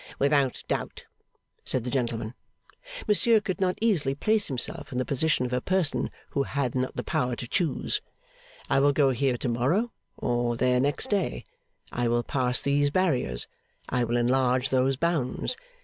Without doubt,' said the gentleman. Monsieur could not easily place himself in the position of a person who had not the power to choose, I will go here to morrow, or there next day; I will pass these barriers, I will enlarge those bounds.